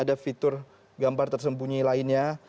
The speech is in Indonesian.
ada fitur gambar tersembunyi lainnya